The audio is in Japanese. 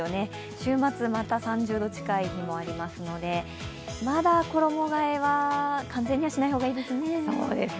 週末また３０度近い日もありますのでまだ衣がえは完全にはしない方がいいですね。